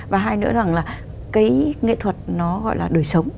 và hai nữa rằng là cái nghệ thuật nó gọi là đời sống